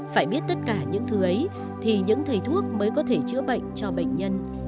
phải biết tất cả những thứ ấy thì những thầy thuốc mới có thể chữa bệnh cho bệnh nhân